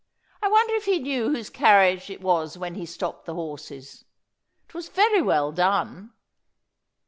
I wonder if he knew whose carriage it was when he stopped the horses? It was very well done.